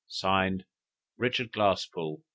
(Signed) "RICHARD GLASSPOOLE.